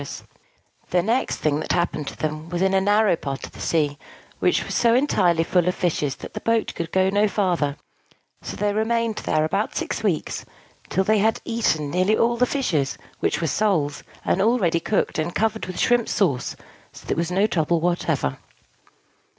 The next thing that happened to them was in a narrow part of the sea, which was so entirely full of fishes that the boat could go on no farther: so they remained there about six weeks, till they had eaten nearly all the fishes, which were soles, and all ready cooked, and covered with shrimp sauce, so that there was no trouble whatever.